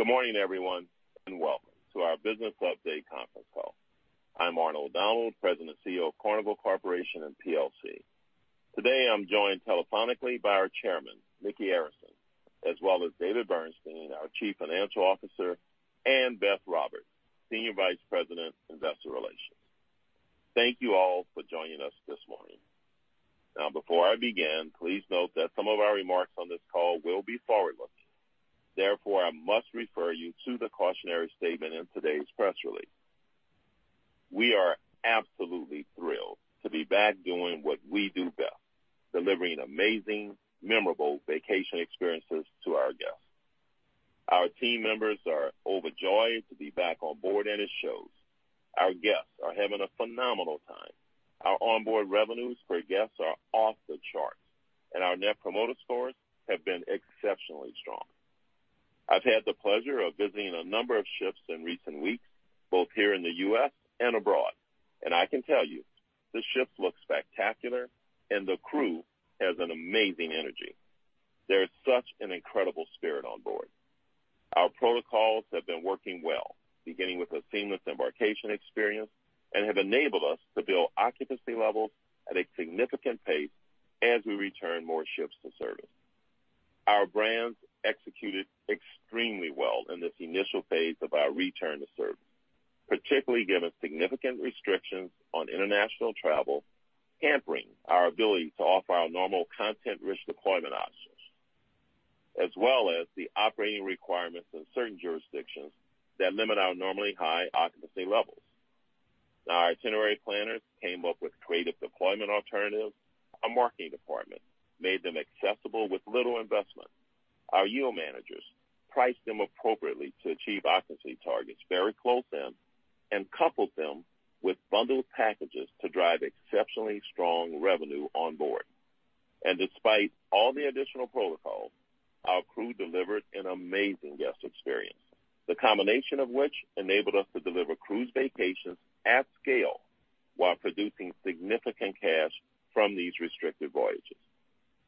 Good morning, everyone, and welcome to our business update conference call. I'm Arnold Donald, President and CEO of Carnival Corporation & plc. Today, I'm joined telephonically by our Chairman, Micky Arison, as well as David Bernstein, our Chief Financial Officer, and Beth Roberts, Senior Vice President, Investor Relations. Thank you all for joining us this morning. Now, before I begin, please note that some of our remarks on this call will be forward-looking. Therefore, I must refer you to the cautionary statement in today's press release. We are absolutely thrilled to be back doing what we do best, delivering amazing, memorable vacation experiences to our guests. Our team members are overjoyed to be back on board, and it shows. Our guests are having a phenomenal time. Our onboard revenues per guests are off the charts, and our Net Promoter Scores have been exceptionally strong. I've had the pleasure of visiting a number of ships in recent weeks, both here in the U.S. and abroad, and I can tell you the ships look spectacular and the crew has an amazing energy. There is such an incredible spirit on board. Our protocols have been working well, beginning with a seamless embarkation experience, and have enabled us to build occupancy levels at a significant pace as we return more ships to service. Our brands executed extremely well in this initial phase of our return to service, particularly given significant restrictions on international travel hampering our ability to offer our normal content-rich deployment options, as well as the operating requirements in certain jurisdictions that limit our normally high occupancy levels. Our itinerary planners came up with creative deployment alternatives. Our marketing department made them accessible with little investment. Our yield managers priced them appropriately to achieve occupancy targets very close in and coupled them with bundled packages to drive exceptionally strong revenue on board. Despite all the additional protocols, our crew delivered an amazing guest experience, the combination of which enabled us to deliver cruise vacations at scale while producing significant cash from these restricted voyages.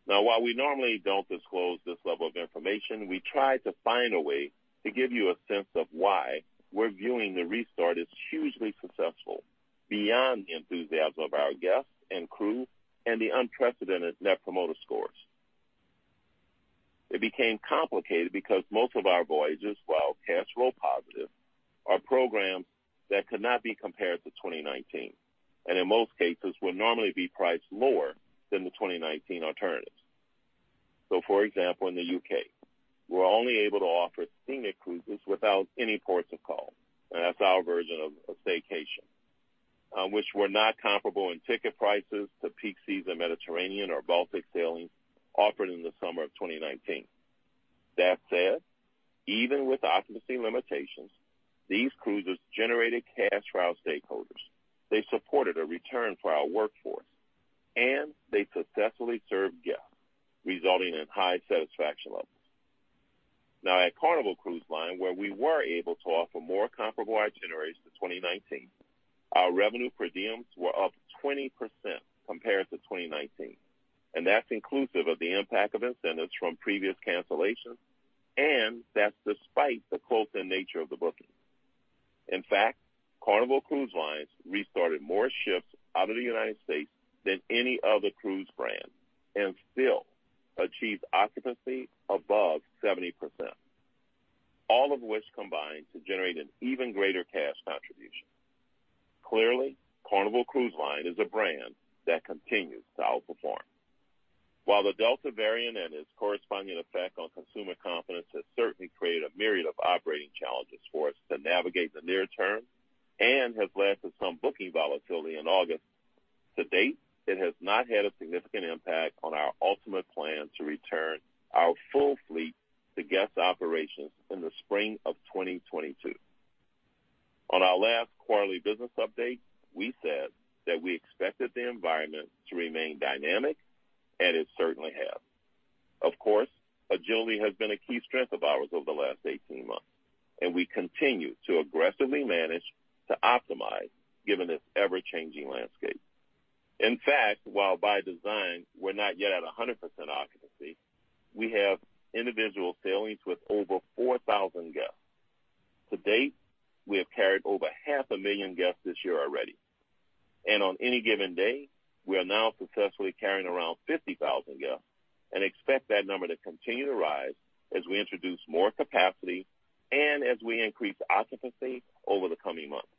Now, while we normally don't disclose this level of information, we tried to find a way to give you a sense of why we're viewing the restart as hugely successful beyond the enthusiasm of our guests and crew and the unprecedented Net Promoter Scores. It became complicated because most of our voyages, while cash flow positive, are programs that could not be compared to 2019, and in most cases would normally be priced lower than the 2019 alternatives. For example, in the U.K., we're only able to offer scenic cruises without any ports of call. That's our version of a staycation, which were not comparable in ticket prices to peak season Mediterranean or Baltic sailing offered in the summer of 2019. That said, even with occupancy limitations, these cruises generated cash for our stakeholders. They supported a return for our workforce, and they successfully served guests, resulting in high satisfaction levels. At Carnival Cruise Line, where we were able to offer more comparable itineraries to 2019, our revenue per diems were up 20% compared to 2019, and that's inclusive of the impact of incentives from previous cancellations, and that's despite the close-in nature of the bookings. In fact, Carnival Cruise Line restarted more ships out of the United States than any other cruise brand and still achieved occupancy above 70%, all of which combined to generate an even greater cash contribution. Clearly, Carnival Cruise Line is a brand that continues to outperform. While the Delta variant and its corresponding effect on consumer confidence has certainly created a myriad of operating challenges for us to navigate the near term and has led to some booking volatility in August, to date, it has not had a significant impact on our ultimate plan to return our full fleet to guest operations in the spring of 2022. On our last quarterly business update, we said that we expected the environment to remain dynamic, and it certainly has. Of course, agility has been a key strength of ours over the last 18 months, and we continue to aggressively manage to optimize given this ever-changing landscape. In fact, while by design, we're not yet at 100% occupancy, we have individual sailings with over 4,000 guests. To date, we have carried over half a million guests this year already. On any given day, we are now successfully carrying around 50,000 guests and expect that number to continue to rise as we introduce more capacity and as we increase occupancy over the coming months.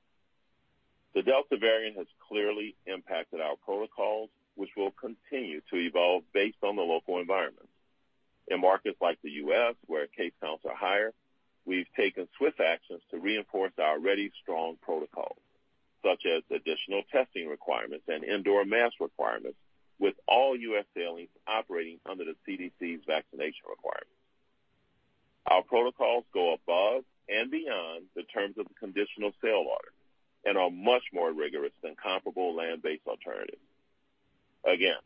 The Delta variant has clearly impacted our protocols, which will continue to evolve based on the local environment. In markets like the U.S., where case counts are higher, we've taken swift actions to reinforce our already strong protocols, such as additional testing requirements and indoor mask requirements, with all U.S. sailings operating under the CDC vaccination requirements. Our protocols go above and beyond the terms of the Conditional Sailing Order and are much more rigorous than comparable land-based alternatives. Again,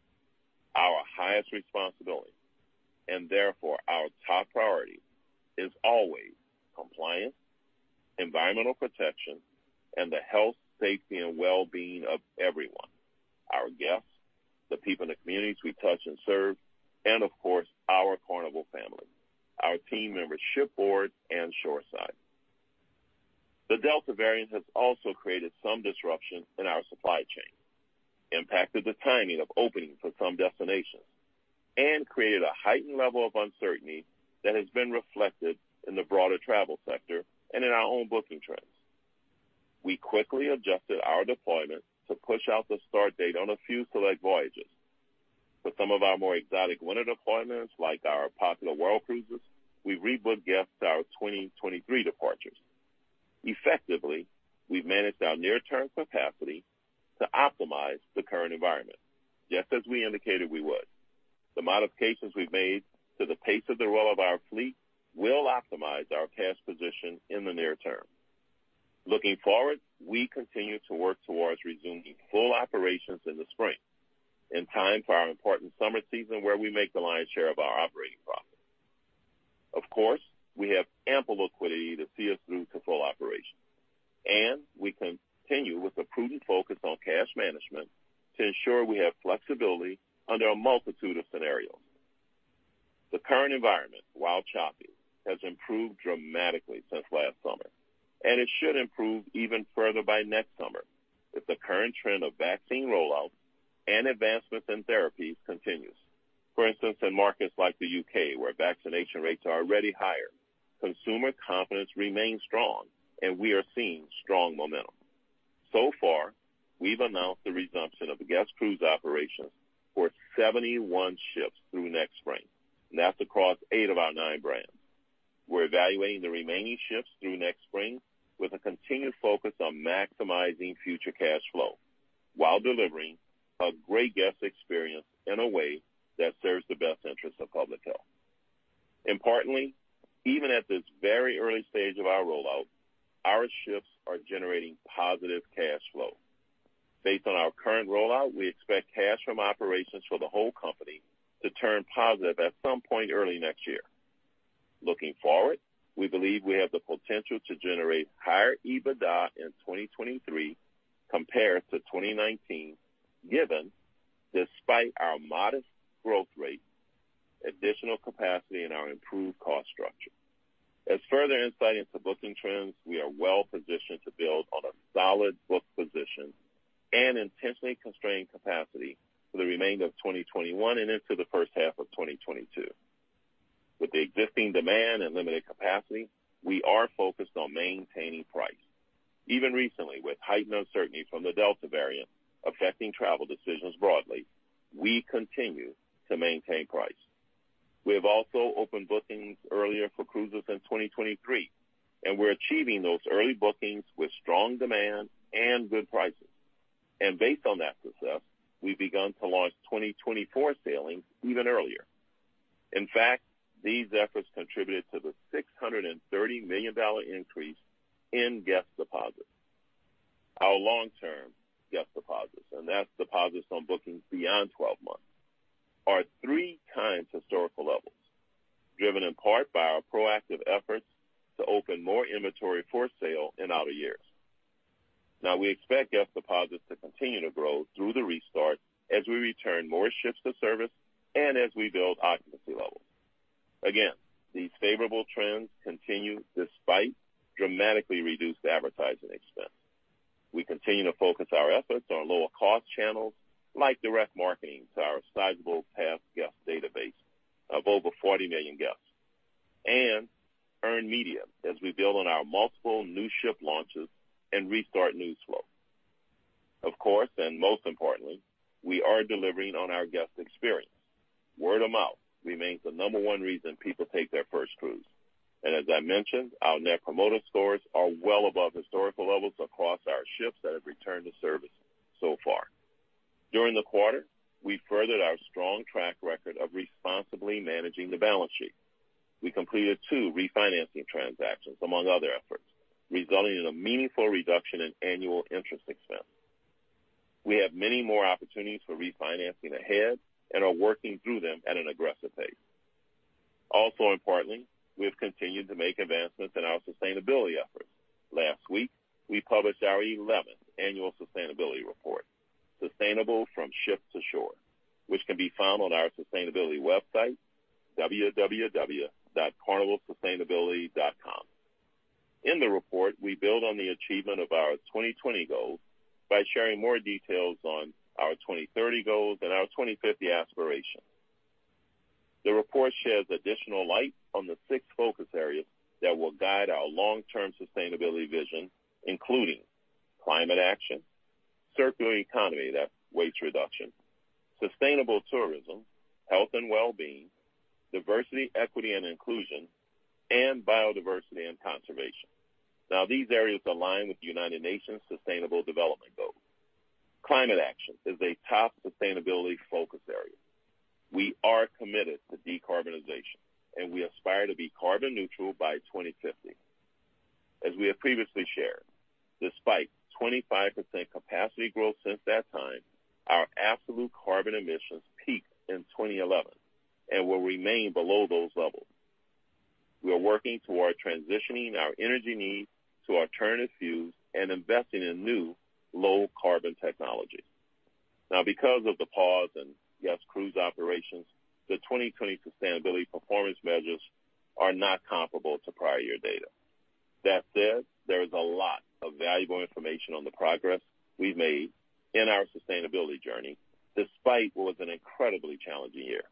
our highest responsibility, and therefore our top priority, is always compliance, environmental protection, and the health, safety, and well-being of everyone, our guests, the people in the communities we touch and serve, and of course, our Carnival family, our team members shipboard and shoreside. The Delta variant has also created some disruption in our supply chain, impacted the timing of opening for some destinations, and created a heightened level of uncertainty that has been reflected in the broader travel sector and in our own booking trends. We quickly adjusted our deployment to push out the start date on a few select voyages. For some of our more exotic winter deployments, like our popular world cruises, we rebooked guests to our 2023 departures. Effectively, we've managed our near-term capacity to optimize the current environment, just as we indicated we would. The modifications we've made to the pace of the roll of our fleet will optimize our cash position in the near term. Looking forward, we continue to work towards resuming full operations in the spring, in time for our important summer season, where we make the lion's share of our operating profit. Of course, we have ample liquidity to see us through to full operations, and we continue with a prudent focus on cash management to ensure we have flexibility under a multitude of scenarios. The current environment, while choppy, has improved dramatically since last summer, and it should improve even further by next summer if the current trend of vaccine rollout and advancements in therapies continues. For instance, in markets like the U.K., where vaccination rates are already higher, consumer confidence remains strong and we are seeing strong momentum. So far, we've announced the resumption of the guest cruise operations for 71 ships through next spring, and that's across eight of our nine brands. We're evaluating the remaining ships through next spring with a continued focus on maximizing future cash flow while delivering a great guest experience in a way that serves the best interest of public health. Importantly, even at this very early stage of our rollout, our ships are generating positive cash flow. Based on our current rollout, we expect cash from operations for the whole company to turn positive at some point early next year. Looking forward, we believe we have the potential to generate higher EBITDA in 2023 compared to 2019, given, despite our modest growth rate, additional capacity in our improved cost structure. As further insight into booking trends, we are well-positioned to build on a solid book position and intentionally constrained capacity for the remainder of 2021 and into the H1 of 2022. With the existing demand and limited capacity, we are focused on maintaining price. Even recently, with heightened uncertainty from the Delta variant affecting travel decisions broadly, we continue to maintain price. We've also opened booking earlier for cruises and 2023. We're achieving those early bookings with strong demand and good prices. Based on that success, we've begun to launch 2024 sailings even earlier. In fact, these efforts contributed to the $630 million increase in guest deposits. Our long-term guest deposits, and that's deposits on bookings beyond 12 months, are 3x historical levels, driven in part by our proactive efforts to open more inventory for sale in outer years. Now, we expect guest deposits to continue to grow through the restart as we return more ships to service and as we build occupancy levels. Again, these favorable trends continue despite dramatically reduced advertising expense. We continue to focus our efforts on lower-cost channels, like direct marketing to our sizable past guest database of over 40 million guests and earned media, as we build on our multiple new ship launches and restart news flow. Of course, and most importantly, we are delivering on our guest experience. Word of mouth remains the number one reason people take their first cruise. As I mentioned, our Net Promoter Scores are well above historical levels across our ships that have returned to service so far. During the quarter, we furthered our strong track record of responsibly managing the balance sheet. We completed two refinancing transactions, among other efforts, resulting in a meaningful reduction in annual interest expense. We have many more opportunities for refinancing ahead and are working through them at an aggressive pace. Importantly, we have continued to make advancements in our sustainability efforts. Last week, we published our 11th annual sustainability report, Sustainable from Ship to Shore, which can be found on our sustainability website, www.carnivalsustainability.com. In the report, we build on the achievement of our 2020 goals by sharing more details on our 2030 goals and our 2050 aspirations. The report sheds additional light on the six focus areas that will guide our long-term sustainability vision, including Climate Action, Circular Economy, that's waste reduction, Sustainable Tourism, Health and Well-Being, Diversity, Equity and Inclusion, and Biodiversity and Conservation. These areas align with the United Nations Sustainable Development Goals. Climate Action is a top sustainability focus area. We are committed to decarbonization, and we aspire to be carbon neutral by 2050. As we have previously shared, despite 25% capacity growth since that time, our absolute carbon emissions peaked in 2011 and will remain below those levels. We are working toward transitioning our energy needs to alternative fuels and investing in new low-carbon technology. Because of the pause in guest cruise operations, the 2020 sustainability performance measures are not comparable to prior year data. That said, there is a lot of valuable information on the progress we've made in our sustainability journey, despite what was an incredibly challenging year.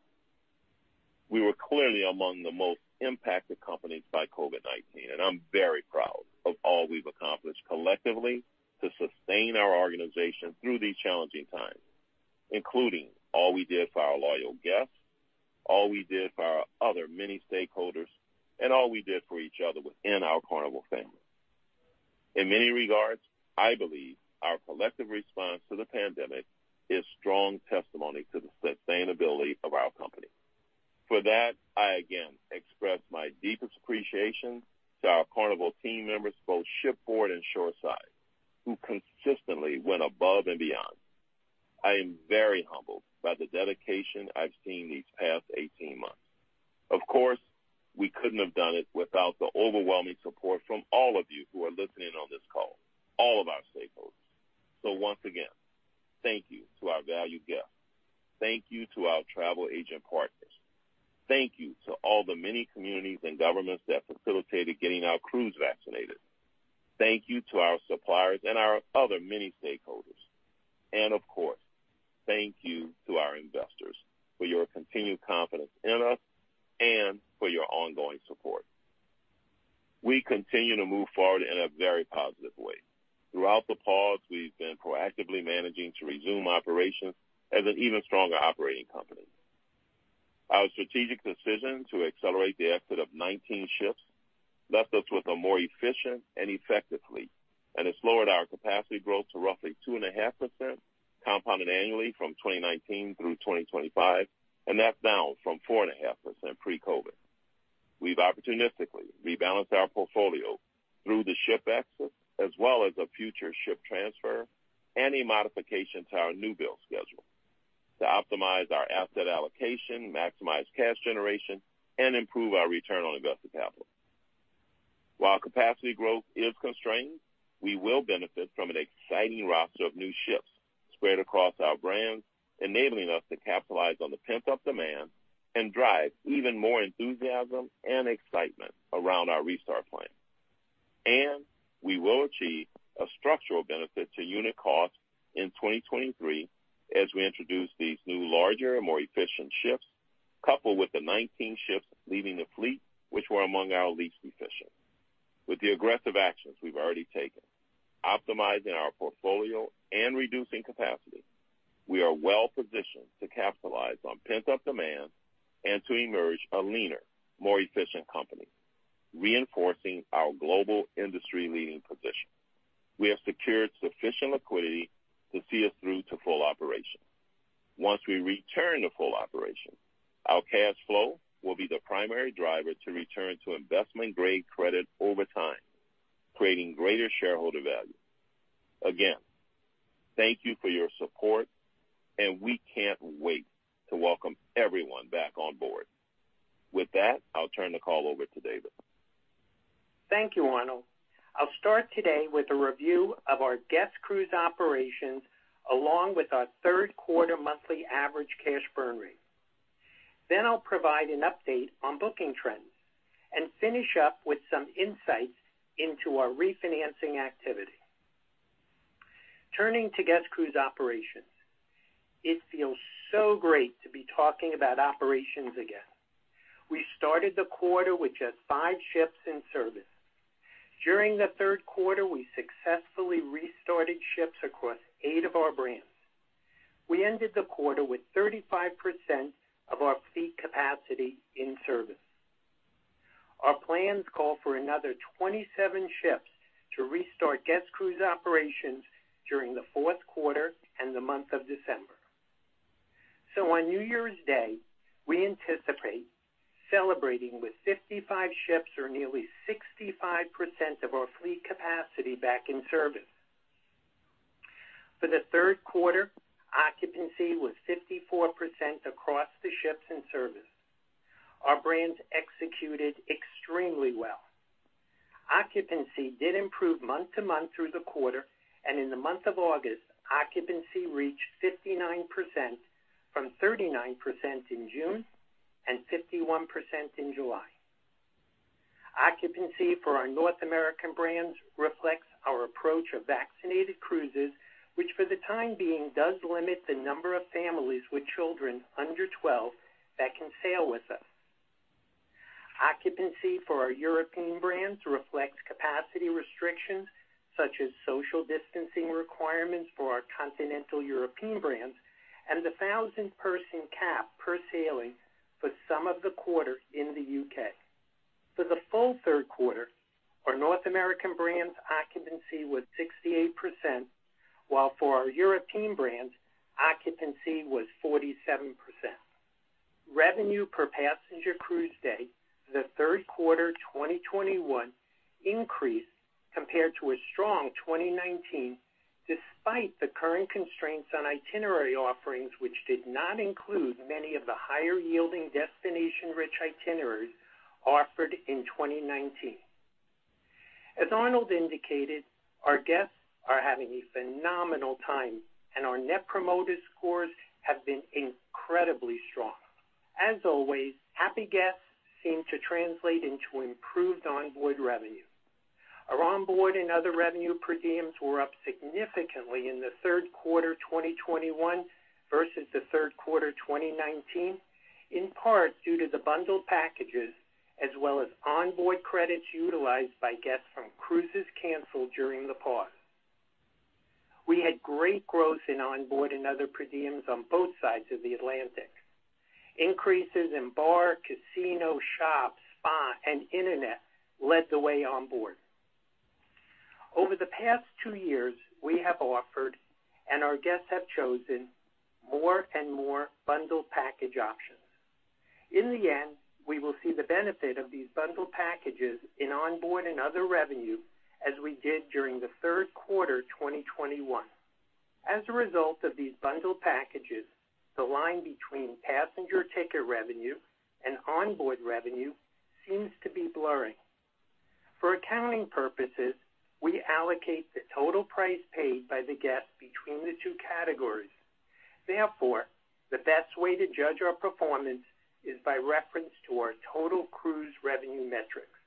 We were clearly among the most impacted companies by COVID-19, and I'm very proud of all we've accomplished collectively to sustain our organization through these challenging times, including all we did for our loyal guests, all we did for our other many stakeholders, and all we did for each other within our Carnival family. In many regards, I believe our collective response to the pandemic is strong testimony to the sustainability of our company. For that, I again express my deepest appreciation to our Carnival team members, both shipboard and shoreside, who consistently went above and beyond. I am very humbled by the dedication I've seen these past 18 months. Of course, we couldn't have done it without the overwhelming support from all of you who are listening in on this call, all of our stakeholders. Once again, thank you to our valued guests. Thank you to our travel agent partners. Thank you to all the many communities and governments that facilitated getting our crews vaccinated. Thank you to our suppliers and our other many stakeholders. Of course, thank you to our investors for your continued confidence in us and for your ongoing support. We continue to move forward in a very positive way. Throughout the pause, we've been proactively managing to resume operations as an even stronger operating company. Our strategic decision to accelerate the exit of 19 ships left us with a more efficient and effective fleet, and it's lowered our capacity growth to roughly 2.5% compounded annually from 2019 through 2025, and that's down from 4.5% pre-COVID. We've opportunistically rebalanced our portfolio through the ship exits as well as a future ship transfer and a modification to our new build schedule to optimize our asset allocation, maximize cash generation, and improve our return on invested capital. While capacity growth is constrained, we will benefit from an exciting roster of new ships spread across our brands, enabling us to capitalize on the pent-up demand and drive even more enthusiasm and excitement around our restart plan. We will achieve a structural benefit to unit costs in 2023 as we introduce these new larger and more efficient ships, coupled with the 19 ships leaving the fleet, which were among our least efficient. With the aggressive actions we've already taken, optimizing our portfolio and reducing capacity, we are well-positioned to capitalize on pent-up demand and to emerge a leaner, more efficient company, reinforcing our global industry-leading position. We have secured sufficient liquidity to see us through to full operation. Once we return to full operation, our cash flow will be the primary driver to return to investment-grade credit over time, creating greater shareholder value. Again, thank you for your support, and we can't wait to welcome everyone back on board. With that, I'll turn the call over to David. Thank you, Arnold. I'll start today with a review of our guest cruise operations, along with our Q3 monthly average cash burn rate. I'll provide an update on booking trends and finish up with some insights into our refinancing activity. Turning to guest cruise operations, it feels so great to be talking about operations again. We started the quarter with just five ships in service. During the Q3, we successfully restarted ships across eight of our brands. We ended the quarter with 35% of our fleet capacity in service. Our plans call for another 27 ships to restart guest cruise operations during the Q4 and the month of December. On New Year's Day, we anticipate celebrating with 55 ships, or nearly 65% of our fleet capacity back in service. For the Q3, occupancy was 54% across the ships in service. Our brands executed extremely well. Occupancy did improve month-to-month through the quarter. In the month of August, occupancy reached 59%, from 39% in June and 51% in July. Occupancy for our North American brands reflects our approach of vaccinated cruises, which for the time being, does limit the number of families with children under 12 that can sail with us. Occupancy for our European brands reflects capacity restrictions such as social distancing requirements for our continental European brands and the 1,000-person cap per sailing for some of the quarter in the U.K. For the full Q3, our North American brands occupancy was 68%. For our European brands, occupancy was 47%. Revenue per passenger cruise day for the Q3 2021 increased compared to a strong 2019. Despite the current constraints on itinerary offerings, which did not include many of the higher-yielding destination-rich itineraries offered in 2019. As Arnold indicated, our guests are having a phenomenal time and our Net Promoter Scores have been incredibly strong. As always, happy guests seem to translate into improved onboard revenue. Our onboard and other revenue per diems were up significantly in the Q3 2021 versus the Q3 2019, in part due to the bundled packages as well as onboard credits utilized by guests from cruises canceled during the pause. We had great growth in onboard and other per diems on both sides of the Atlantic. Increases in bar, casino, shop, spa, and internet led the way onboard. Over the past two years, we have offered, and our guests have chosen, more and more bundled package options. In the end, we will see the benefit of these bundled packages in onboard and other revenue, as we did during the Q3 2021. As a result of these bundled packages, the line between passenger ticket revenue and onboard revenue seems to be blurring. For accounting purposes, we allocate the total price paid by the guest between the two categories. Therefore, the best way to judge our performance is by reference to our total cruise revenue metrics.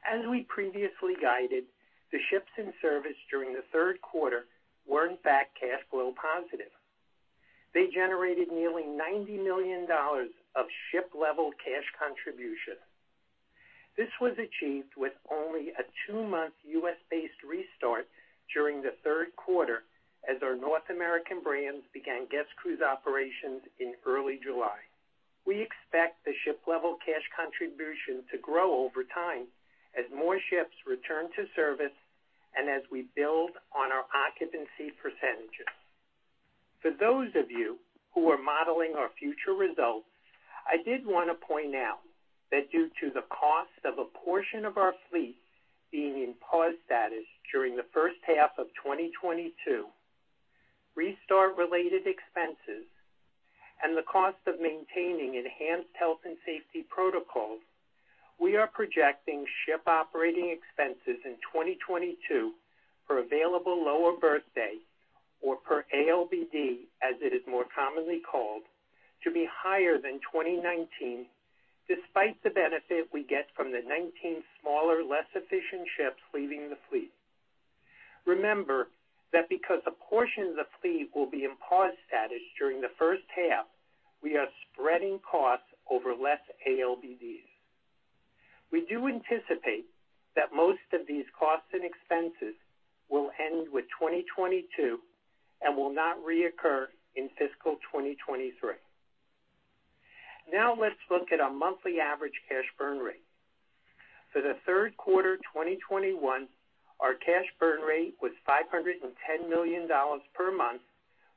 As we previously guided, the ships in service during the Q3 were in fact cash flow positive. They generated nearly $90 million of ship-level cash contribution. This was achieved with only a two-month U.S.-based restart during the Q3 as our North American brands began guest cruise operations in early July. We expect the ship-level cash contribution to grow over time as more ships return to service and as we build on our occupancy percentages. For those of you who are modeling our future results, I did want to point out that due to the cost of a portion of our fleet being in pause status during the H1 of 2022, restart-related expenses, and the cost of maintaining enhanced health and safety protocols, we are projecting ship operating expenses in 2022 per Available Lower Berth Day, or per ALBD as it is more commonly called, to be higher than 2019 despite the benefit we get from the 19 smaller, less efficient ships leaving the fleet. Remember that because a portion of the fleet will be in pause status during the H1, we are spreading costs over less ALBDs. We do anticipate that most of these costs and expenses will end with 2022 and will not reoccur in fiscal 2023. Now let's look at our monthly average cash burn rate. For the Q3 2021, our cash burn rate was $510 million per month,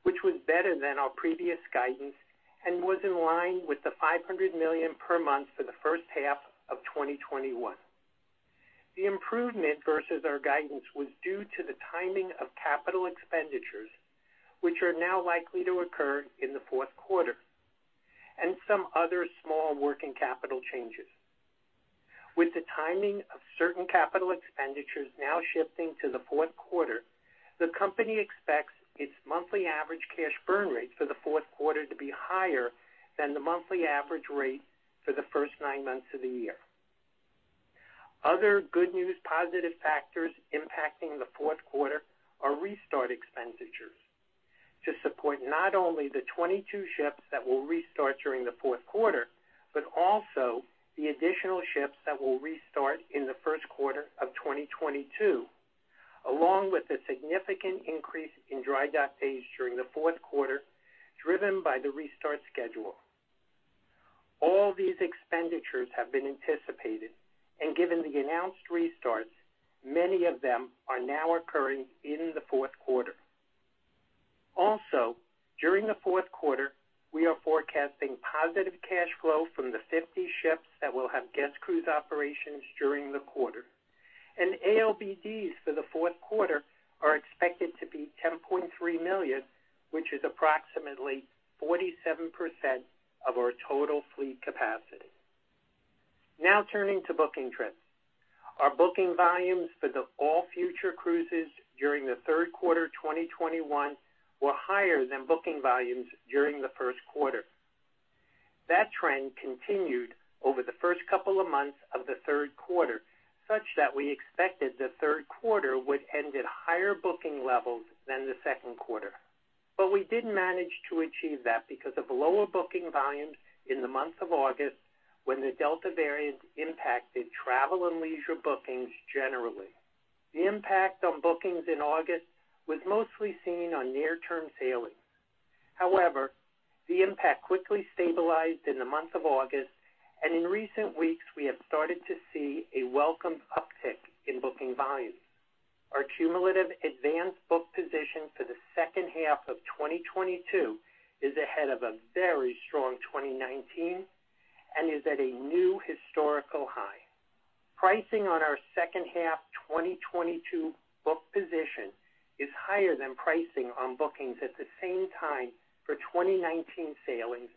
which was better than our previous guidance and was in line with the $500 million per month for the H1 of 2021. The improvement versus our guidance was due to the timing of capital expenditures, which are now likely to occur in the Q4, and some other small working capital changes. With the timing of certain capital expenditures now shifting to the Q4, the company expects its monthly average cash burn rate for the Q4 to be higher than the monthly average rate for the first nine months of the year. Other good news positive factors impacting the Q4 are restart expenditures to support not only the 22 ships that will restart during the Q4, but also the additional ships that will restart in the Q1 of 2022, along with a significant increase in dry dock days during the Q4, driven by the restart schedule. All these expenditures have been anticipated, and given the announced restarts, many of them are now occurring in the Q4. During the Q4, we are forecasting positive cash flow from the 50 ships that will have guest cruise operations during the quarter, and ALBDs for the Q4 are expected to be 10.3 million, which is approximately 47% of our total fleet capacity. Turning to booking trends. Our booking volumes for the all future cruises during the Q3 2021 were higher than booking volumes during the Q1. That trend continued over the first couple of months of the Q3, such that we expected the Q3 would end at higher booking levels than the Q2. We didn't manage to achieve that because of lower booking volumes in the month of August, when the Delta variant impacted travel and leisure bookings generally. The impact on bookings in August was mostly seen on near-term sailings. However, the impact quickly stabilized in the month of August, and in recent weeks we have started to see a welcome uptick in booking volumes. Our cumulative advanced book position for the H2 of 2022 is ahead of a very strong 2019 and is at a new historical high. Pricing on our H2 2022 book position is higher than pricing on bookings at the same time for 2019 sailings,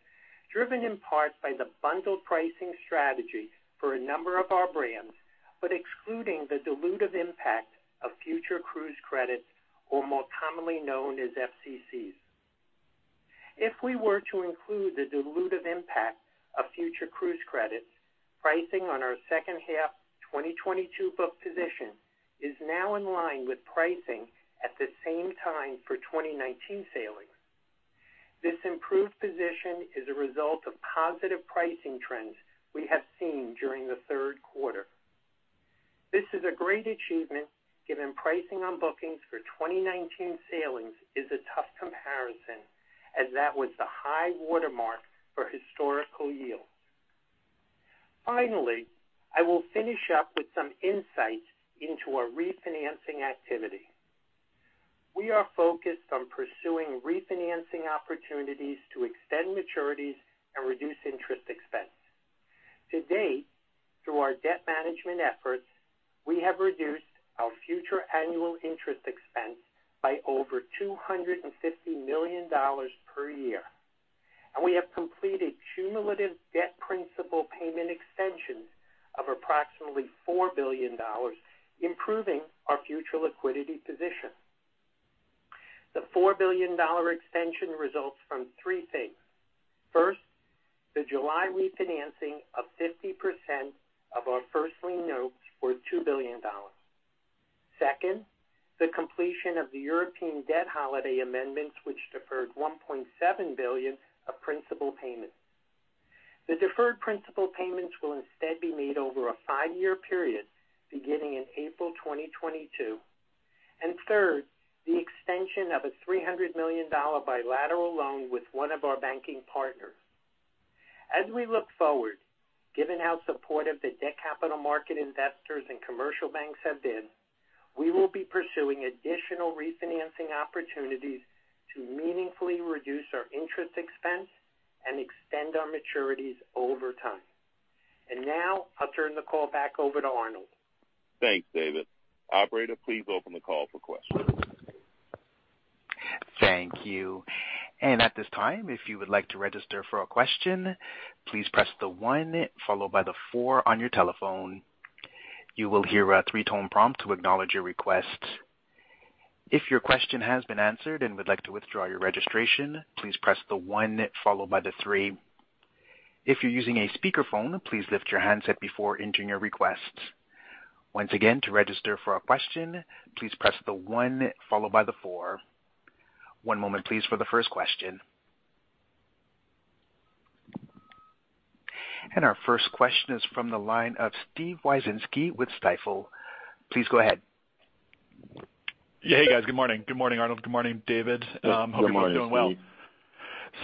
driven in part by the bundled pricing strategy for a number of our brands, but excluding the dilutive impact of Future Cruise Credits, or more commonly known as FCCs. If we were to include the dilutive impact of Future Cruise Credits, pricing on our H2 2022 book position is now in line with pricing at the same time for 2019 sailings. This improved position is a result of positive pricing trends we have seen during the Q3. This is a great achievement, given pricing on bookings for 2019 sailings is a tough comparison, as that was the high watermark for historical yield. Finally, I will finish up with some insights into our refinancing activity. We are focused on pursuing refinancing opportunities to extend maturities and reduce interest expense. To date, through our debt management efforts, we have reduced our future annual interest expense by over $250 million per year, and we have completed cumulative debt principal payment extensions of approximately $4 billion, improving our future liquidity position. The $4 billion extension results from three things. First, the July refinancing of 50% of our first lien notes for $2 billion. Second, the completion of the European debt holiday amendments, which deferred $1.7 billion of principal payments. The deferred principal payments will instead be made over a five-year period beginning in April 2022. Third, the extension of a $300 million bilateral loan with one of our banking partners. As we look forward, given how supportive the debt capital market investors and commercial banks have been, we will be pursuing additional refinancing opportunities to meaningfully reduce our interest expense and extend our maturities over time. Now I'll turn the call back over to Arnold. Thanks, David. Operator, please open the call for questions. Thank you. At this time, if you would like to register for a question, please press the one followed by the four on your telephone. You will hear a three-tone prompt to acknowledge your request. If your question has been answered and would like to withdraw your registration, please press the one followed by the three. If you're using a speakerphone, please lift your handset before entering your request. Once again, to register for a question, please press the one followed by the four. One moment, please, for the first question. Our first question is from the line of Steven Wieczynski with Stifel. Please go ahead. Yeah. Hey, guys. Good morning. Good morning, Arnold. Good morning, David. Good morning, Steven. Hope you are doing well.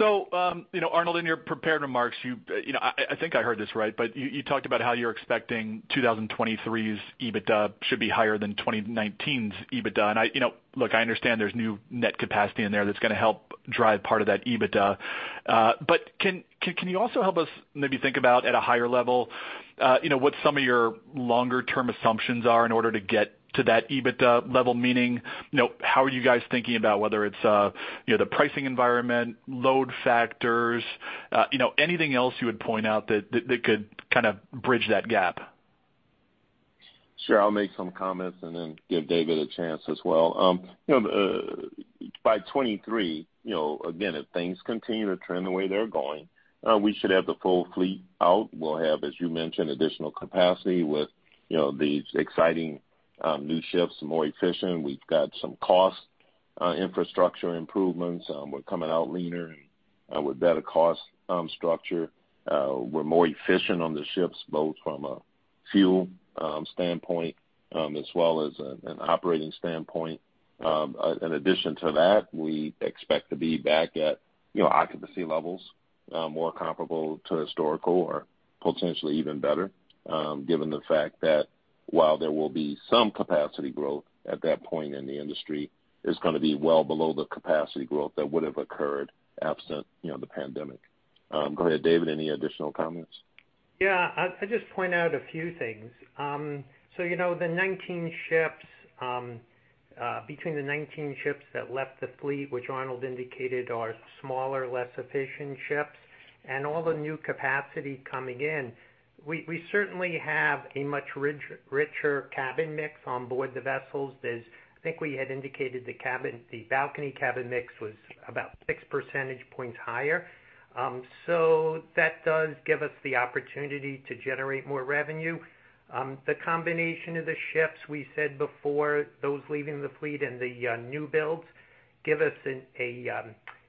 Arnold, in your prepared remarks, I think I heard this right, but you talked about how you're expecting 2023's EBITDA should be higher than 2019's EBITDA. Look, I understand there's new net capacity in there that's going to help drive part of that EBITDA. Can you also help us maybe think about at a higher level what some of your longer-term assumptions are in order to get to that EBITDA level? Meaning, how are you guys thinking about whether it's the pricing environment, load factors, anything else you would point out that could kind of bridge that gap? Sure. I'll make some comments and then give David a chance as well. By 2023, again, if things continue to trend the way they're going, we should have the full fleet out. We'll have, as you mentioned, additional capacity with these exciting new ships, more efficient. We've got some cost infrastructure improvements. We're coming out leaner and with better cost structure. We're more efficient on the ships, both from a fuel standpoint as well as an operating standpoint. In addition to that, we expect to be back at occupancy levels more comparable to historical or potentially even better, given the fact that while there will be some capacity growth at that point in the industry, it's going to be well below the capacity growth that would have occurred absent the pandemic. Go ahead, David, any additional comments? Yeah. I'd just point out a few things. Between the 19 ships that left the fleet, which Arnold indicated are smaller, less efficient ships, and all the new capacity coming in, we certainly have a much richer cabin mix on board the vessels. I think we had indicated the balcony cabin mix was about 6 percentage points higher. That does give us the opportunity to generate more revenue. The combination of the ships we said before, those leaving the fleet and the new builds, give us a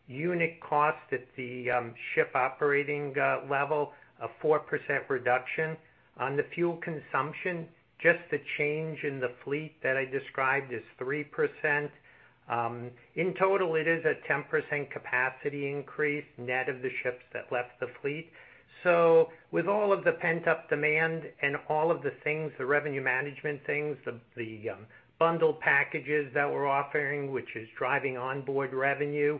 unit cost at the ship operating level of 4% reduction on the fuel consumption. Just the change in the fleet that I described is 3%. In total, it is a 10% capacity increase net of the ships that left the fleet. With all of the pent-up demand and all of the things, the revenue management things the bundled packages that we're offering, which is driving on-board revenue,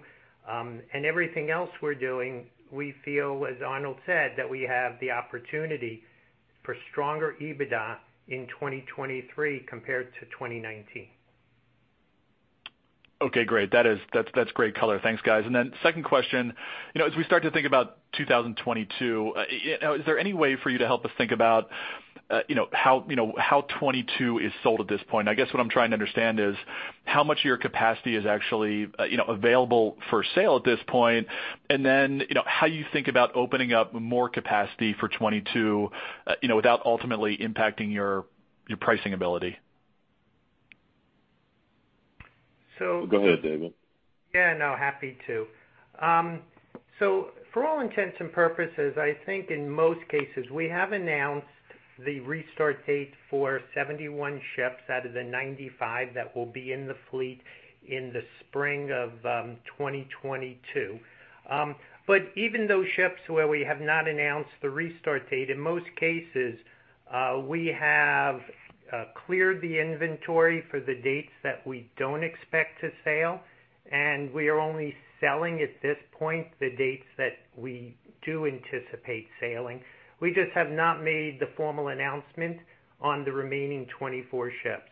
and everything else we're doing, we feel, as Arnold said, that we have the opportunity for stronger EBITDA in 2023 compared to 2019. Okay, great. That's great color. Thanks, guys. Second question, as we start to think about 2022, is there any way for you to help us think about how 2022 is sold at this point? I guess what I'm trying to understand is how much of your capacity is actually available for sale at this point and then how you think about opening up more capacity for 2022 without ultimately impacting your pricing ability. So- Go ahead, David. Yeah, no, happy to. For all intents and purposes, I think in most cases, we have announced the restart date for 71 ships out of the 95 that will be in the fleet in the spring of 2022. Even those ships where we have not announced the restart date, in most cases, we have cleared the inventory for the dates that we don't expect to sail, and we are only selling, at this point, the dates that we do anticipate sailing. We just have not made the formal announcement on the remaining 24 ships.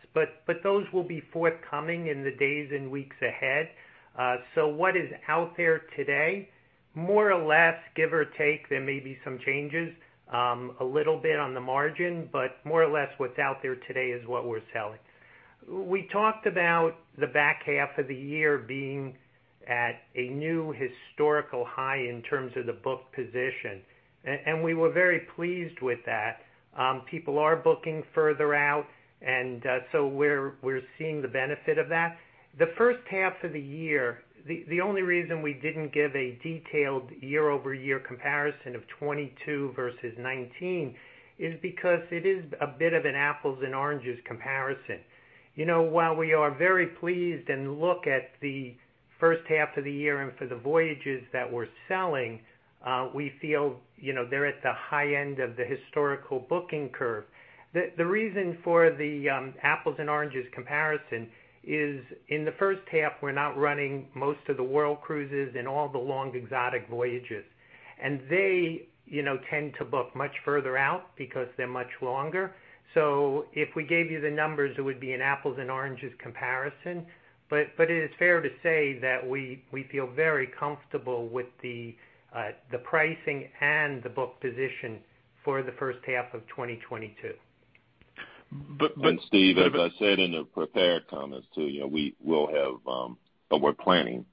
Those will be forthcoming in the days and weeks ahead. What is out there today, more or less, give or take, there may be some changes, a little bit on the margin, but more or less what's out there today is what we're selling. We talked about the back half of the year being at a new historical high in terms of the book position. We were very pleased with that. People are booking further out, we're seeing the benefit of that. The H1 of the year, the only reason we didn't give a detailed year-over-year comparison of 2022 versus 2019 is because it is a bit of an apples and oranges comparison. While we are very pleased and look at the H1 of the year and for the voyages that we're selling, we feel they're at the high end of the historical booking curve. The reason for the apples and oranges comparison is in the H1, we're not running most of the world cruises and all the long exotic voyages. They tend to book much further out because they're much longer. If we gave you the numbers, it would be an apples and oranges comparison. It is fair to say that we feel very comfortable with the pricing and the book position for the H1 of 2022. Steven, as I said in the prepared comments too, we're planning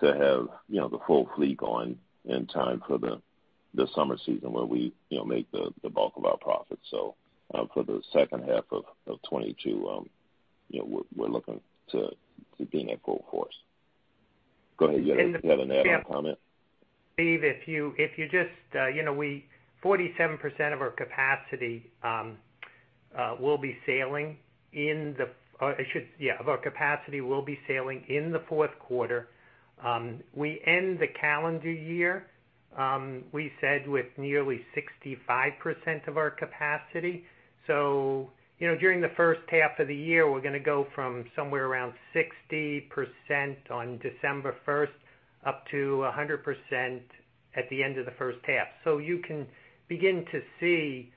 to have the full fleet going in time for the summer season where we make the bulk of our profits. For the H2 of 2022, we're looking to being at full course. Go ahead, you had an add-on comment? Steve, 47% of our capacity will be sailing in the Q4. We end the calendar year, we said, with nearly 65% of our capacity. During the H1 of the year, we're going to go from somewhere around 60% on December 1st up to 100% at the end of the H1. You can begin to see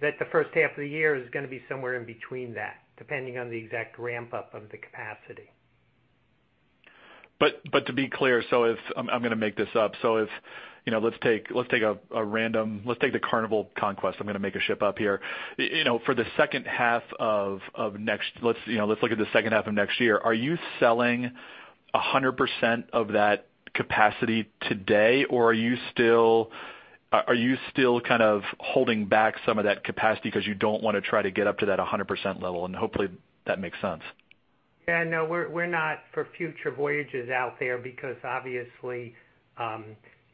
that the H1 of the year is going to be somewhere in between that, depending on the exact ramp-up of the capacity. To be clear, I'm going to make this up. Let's take the Carnival Conquest. I'm going to make a ship up here. Let's look at the H2 of next year. Are you selling 100% of that capacity today, or are you still kind of holding back some of that capacity because you don't want to try to get up to that 100% level? Hopefully that makes sense. Yeah, no, we're not for future voyages out there because obviously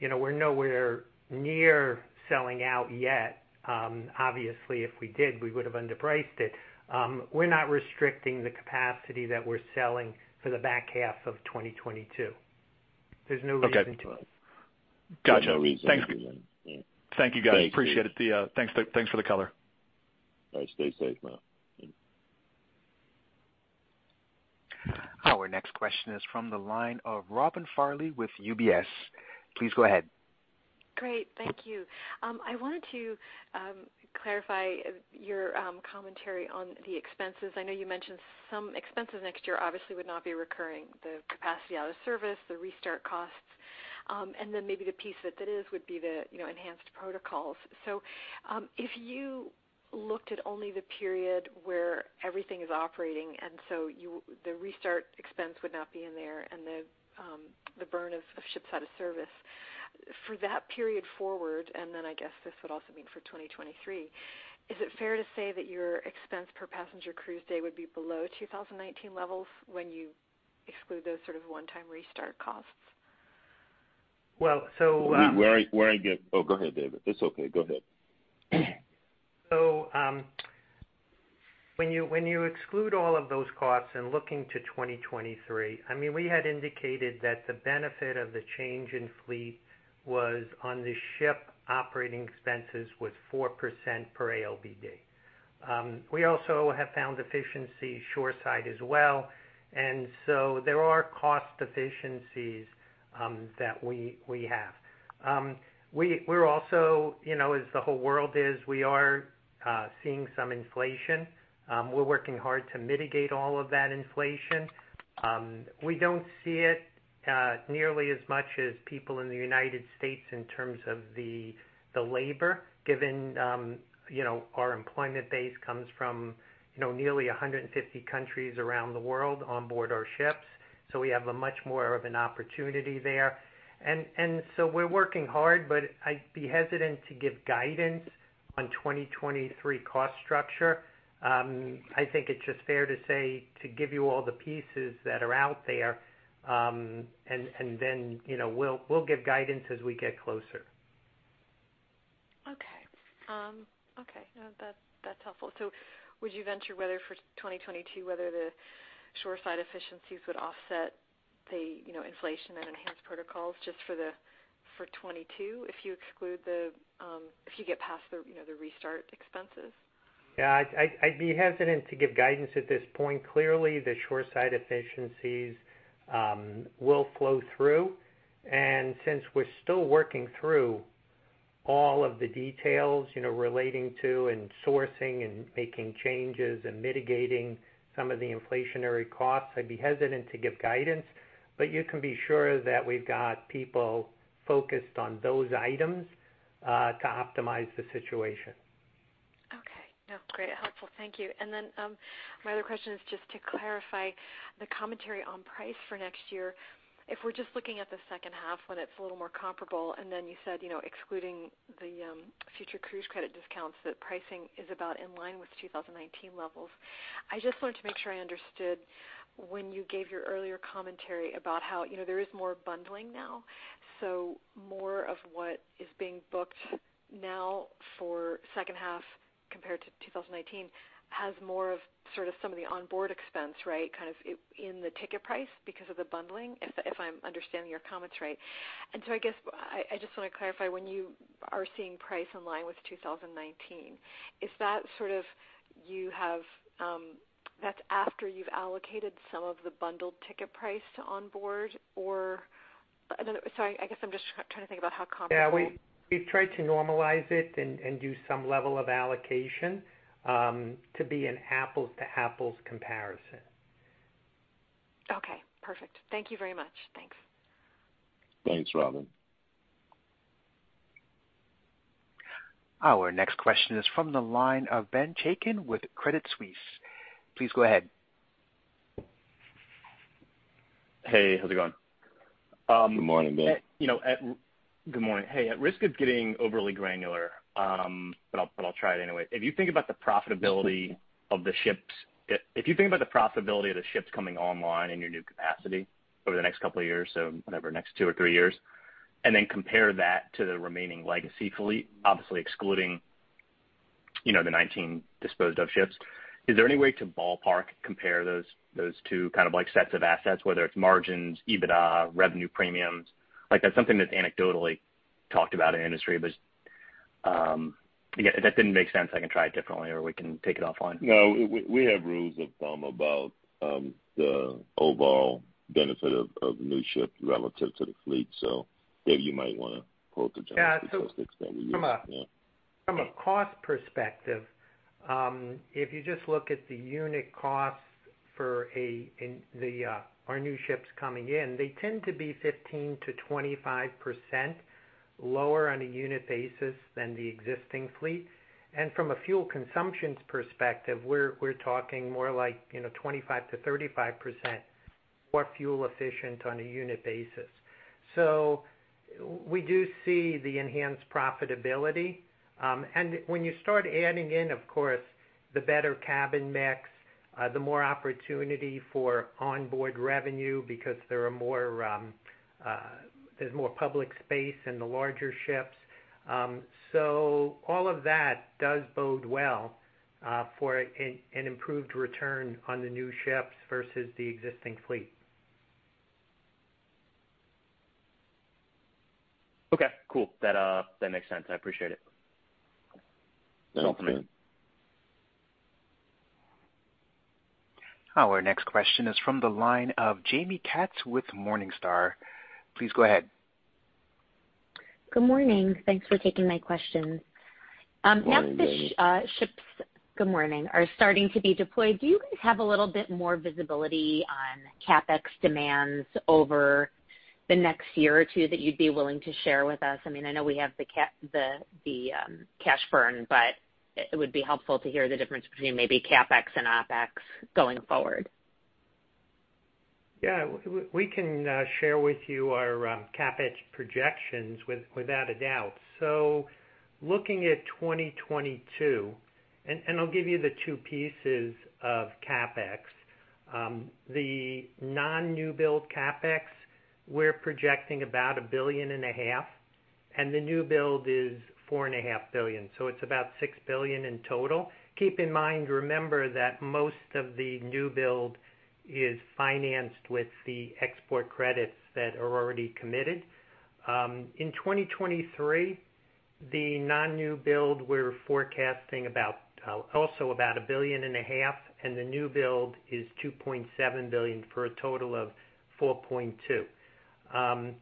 we're nowhere near selling out yet. Obviously, if we did, we would have underpriced it. We're not restricting the capacity that we're selling for the back half of 2022. There's no reason to. Okay. Got you. There's no reason to then, yeah. Thank you, guys. Thank you. Appreciate it. Thanks for the color. All right. Stay safe now. Our next question is from the line of Robin Farley with UBS. Please go ahead. Great. Thank you. I wanted to clarify your commentary on the expenses. I know you mentioned some expenses next year obviously would not be recurring, the capacity out of service, the restart costs, and then maybe the piece that is would be the enhanced protocols. If you looked at only the period where everything is operating, and so the restart expense would not be in there and the burn of ships out of service. For that period forward, and then I guess this would also mean for 2023, is it fair to say that your expense per passenger cruise day would be below 2019 levels when you exclude those sort of one-time restart costs? Well. Where I get. Oh, go ahead, David. It's okay, go ahead. When you exclude all of those costs and looking to 2023, we had indicated that the benefit of the change in fleet was on the ship operating expenses was 4% per ALBD. We also have found efficiency shoreside as well. There are cost efficiencies that we have. As the whole world is, we are seeing some inflation. We're working hard to mitigate all of that inflation. We don't see it nearly as much as people in the U.S. in terms of the labor, given our employment base comes from nearly 150 countries around the world on board our ships, so we have a much more of an opportunity there. We're working hard, but I'd be hesitant to give guidance on 2023 cost structure. I think it's just fair to say to give you all the pieces that are out there, and then we'll give guidance as we get closer. Okay. That's helpful. Would you venture whether for 2022, whether the shoreside efficiencies would offset the inflation and enhanced protocols just for 2022, if you get past the restart expenses? Yeah, I'd be hesitant to give guidance at this point. Clearly, the shoreside efficiencies will flow through. Since we're still working through all of the details relating to and sourcing and making changes and mitigating some of the inflationary costs, I'd be hesitant to give guidance. You can be sure that we've got people focused on those items to optimize the situation. Okay. No, great. Helpful. Thank you. My other question is just to clarify the commentary on price for next year. If we're just looking at theH2 when it's a little more comparable, you said, excluding the Future Cruise Credit discounts, that pricing is about in line with 2019 levels. I just wanted to make sure I understood when you gave your earlier commentary about how there is more bundling now. More of what is being booked now for H2 compared to 2019 has more of sort of some of the onboard expense, right? Kind of in the ticket price because of the bundling, if I'm understanding your comments right. I guess I just want to clarify when you are seeing price in line with 2019, is that after you've allocated some of the bundled ticket price to onboard, or sorry, I guess I'm just trying to think about how comparable? Yeah, we've tried to normalize it and do some level of allocation, to be an apples-to-apples comparison. Okay, perfect. Thank you very much. Thanks. Thanks, Robin. Our next question is from the line of Benjamin Chaiken with Credit Suisse. Please go ahead. Hey, how's it going? Good morning, Ben. Good morning. Hey, at risk of getting overly granular, but I'll try it anyway. If you think about the profitability of the ships coming online in your new capacity over the next two years, so whatever, next two or three years, and then compare that to the remaining legacy fleet, obviously excluding the 19 disposed-of ships, is there any way to ballpark compare those two sets of assets, whether it's margins, EBITDA, revenue premiums? Like that's something that's anecdotally talked about in the industry. If that didn't make sense, I can try it differently, or we can take it offline. No, we have rules of thumb about the overall benefit of new ships relative to the fleet. Maybe you might want to quote the general statistics that we use. Yeah. From a cost perspective, if you just look at the unit cost for our new ships coming in, they tend to be 15%-25% lower on a unit basis than the existing fleet. From a fuel consumptions perspective, we're talking more like 25%-35% more fuel efficient on a unit basis. We do see the enhanced profitability. When you start adding in, of course, the better cabin mix, the more opportunity for onboard revenue because there's more public space in the larger ships. All of that does bode well for an improved return on the new ships versus the existing fleet. Okay, cool. That makes sense. I appreciate it. That's all for me. Our next question is from the line of Jaime Katz with Morningstar. Please go ahead. Good morning. Thanks for taking my questions. Morning, Jaime. As the ships are starting to be deployed, do you guys have a little bit more visibility on CapEx demands over the next year or two that you'd be willing to share with us? I know we have the cash burn. It would be helpful to hear the difference between maybe CapEx and OpEx going forward. Yeah. We can share with you our CapEx projections without a doubt. Looking at 2022, and I'll give you the two pieces of CapEx. The non-new build CapEx, we're projecting about $1.5 billion, and the new build is $4.5 billion, so it's about $6 billion in total. Keep in mind, remember that most of the new build is financed with the export credits that are already committed. In 2023, the non-new build, we're forecasting also about $1.5 billion, and the new build is $2.7 billion, for a total of $4.2 billion.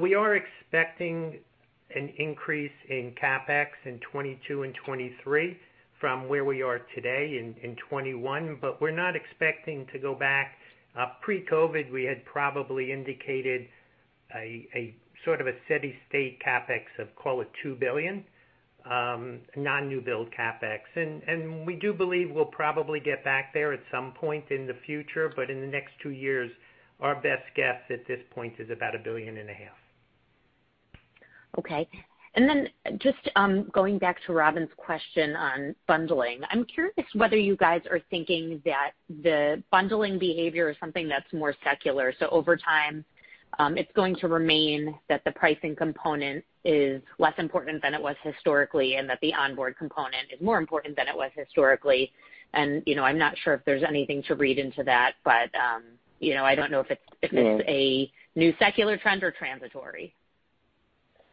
We are expecting an increase in CapEx in 2022 and 2023 from where we are today in 2021. We're not expecting to go back. Pre-COVID, we had probably indicated a sort of a steady state CapEx of, call it $2 billion, non-new build CapEx. We do believe we'll probably get back there at some point in the future. In the next two years, our best guess at this point is about a $1.5 billion. Okay. Just going back to Robin's question on bundling, I'm curious whether you guys are thinking that the bundling behavior is something that's more secular, so over time, it's going to remain that the pricing component is less important than it was historically, and that the onboard component is more important than it was historically. I'm not sure if there's anything to read into that, but I don't know if it's a new secular trend or transitory.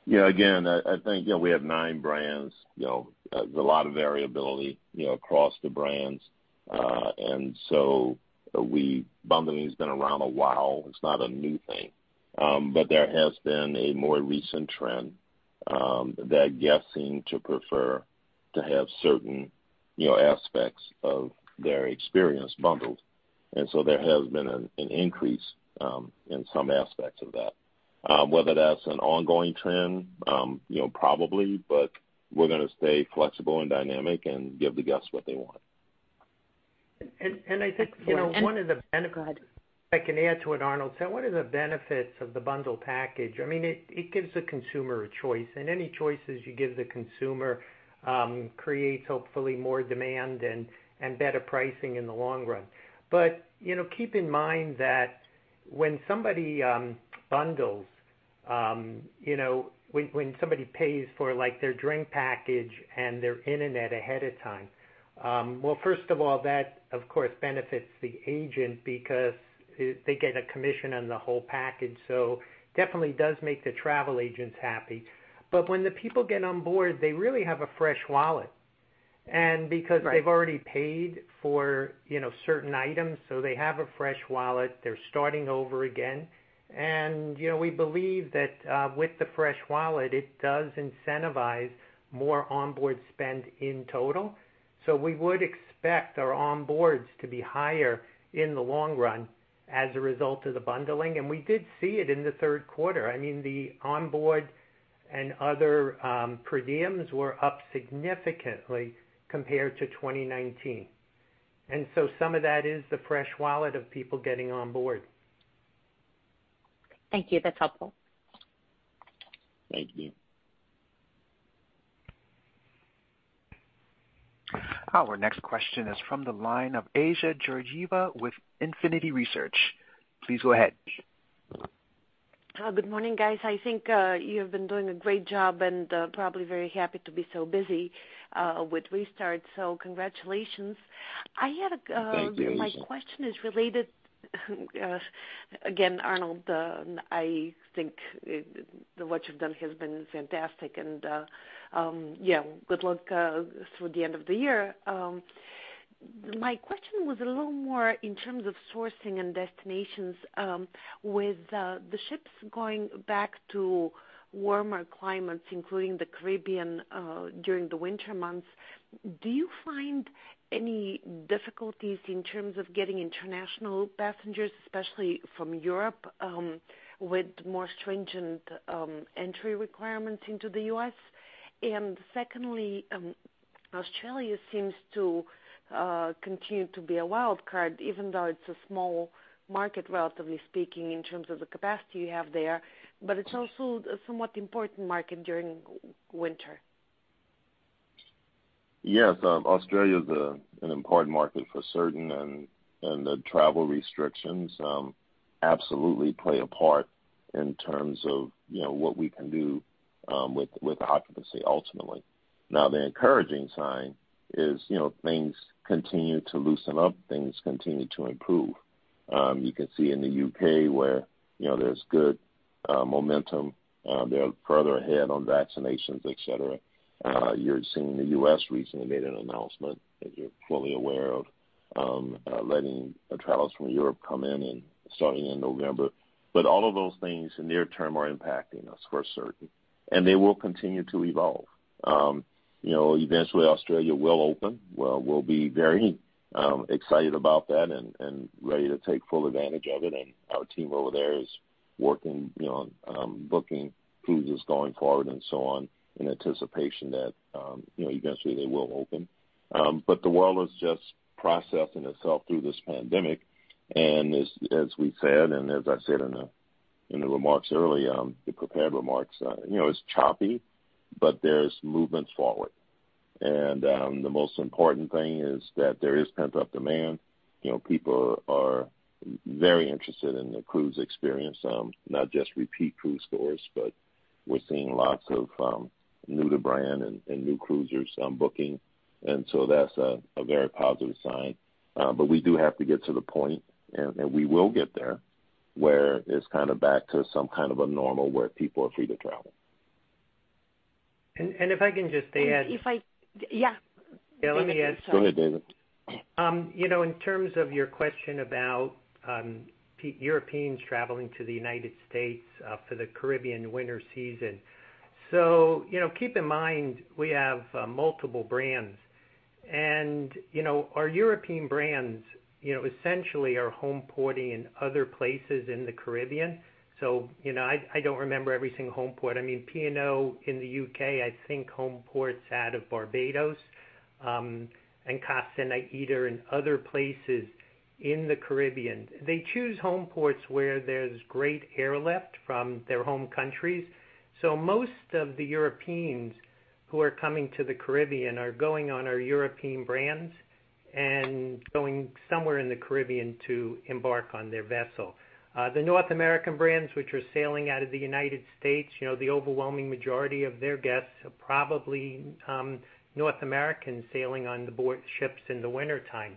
Yeah. Again, I think we have nine brands. There's a lot of variability across the brands. Bundling has been around a while. It's not a new thing. There has been a more recent trend, that guests seem to prefer to have certain aspects of their experience bundled. There has been an increase in some aspects of that. Whether that's an ongoing trend, probably, but we're going to stay flexible and dynamic and give the guests what they want. And I think- Go ahead. one of the benefits I can add to it, Arnold. One of the benefits of the bundle package, it gives the consumer a choice, and any choices you give the consumer creates hopefully more demand and better pricing in the long run. Keep in mind that when somebody bundles, when somebody pays for their drink package and their internet ahead of time, well, first of all, that, of course, benefits the agent because they get a commission on the whole package. Definitely does make the travel agents happy. When the people get on board, they really have a fresh wallet. Because they've already paid for certain items, so they have a fresh wallet, they're starting over again. We believe that with the fresh wallet, it does incentivize more onboard spend in total. We would expect our onboards to be higher in the long run as a result of the bundling. We did see it in the Q3. The onboard and other per diems were up significantly compared to 2019. Some of that is the fresh wallet of people getting on board. Thank you. That's helpful. Thank you. Our next question is from the line of Assia Georgieva with Infinity Research. Please go ahead. Hi. Good morning, guys. I think you have been doing a great job and probably very happy to be so busy with restart. Congratulations. Thank you. My question is related Again, Arnold, I think what you've done has been fantastic, and good luck through the end of the year. My question was a little more in terms of sourcing and destinations. With the ships going back to warmer climates, including the Caribbean during the winter months, do you find any difficulties in terms of getting international passengers, especially from Europe, with more stringent entry requirements into the U.S.? Secondly, Australia seems to continue to be a wild card, even though it's a small market, relatively speaking, in terms of the capacity you have there, but it's also a somewhat important market during winter. Yes. Australia is an important market for certain, the travel restrictions absolutely play a part in terms of what we can do with occupancy ultimately. Now, the encouraging sign is things continue to loosen up, things continue to improve. You can see in the U.K. where there's good momentum, they're further ahead on vaccinations, et cetera. You're seeing the U.S. recently made an announcement that you're fully aware of, letting travelers from Europe come in starting in November. All of those things in near term are impacting us for certain, they will continue to evolve. Eventually Australia will open. We'll be very excited about that ready to take full advantage of it. Our team over there is working on booking cruises going forward and so on in anticipation that eventually they will open. The world is just processing itself through this pandemic, as we said, as I said in the remarks earlier, the prepared remarks, it's choppy, but there's movements forward. The most important thing is that there is pent-up demand. People are very interested in the cruise experience, not just repeat cruise tourists, but we're seeing lots of new-to-brand and new cruisers booking. That's a very positive sign. We do have to get to the point, and we will get there, where it's kind of back to some kind of a normal where people are free to travel. If I can just add. If I Yeah. Yeah, let me add- Go ahead, David. In terms of your question about Europeans traveling to the U.S. for the Caribbean winter season. Keep in mind, we have multiple brands. Our European brands essentially are home porting in other places in the Caribbean. I don't remember every single home port. I mean, P&O in the U.K., I think home ports out of Barbados, and Costa, and AIDA, and other places in the Caribbean. They choose home ports where there's great airlift from their home countries. Most of the Europeans who are coming to the Caribbean are going on our European brands and going somewhere in the Caribbean to embark on their vessel. The North American brands, which are sailing out of the U.S., the overwhelming majority of their guests are probably North Americans sailing onboard ships in the wintertime.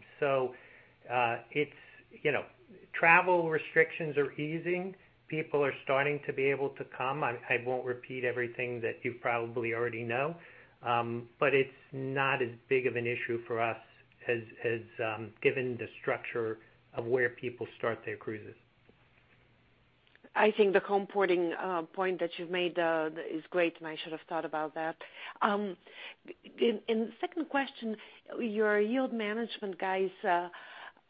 Travel restrictions are easing. People are starting to be able to come. I won't repeat everything that you probably already know. It's not as big of an issue for us as given the structure of where people start their cruises. I think the home porting point that you've made is great, and I should have thought about that. Second question, your yield management guys